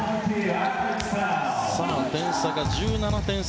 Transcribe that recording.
点差が１７点差。